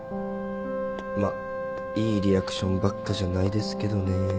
まっいいリアクションばっかじゃないですけどね。